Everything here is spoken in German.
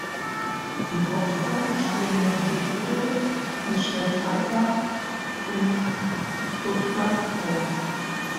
Die Hauptrollen spielen Matthew Broderick, Michelle Pfeiffer und Rutger Hauer.